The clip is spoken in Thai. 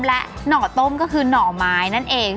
และหน่อต้มก็คือหน่อไม้นั่นเอง